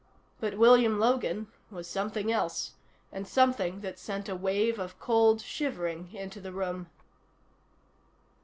But William Logan was something else, and something that sent a wave of cold shivering into the room.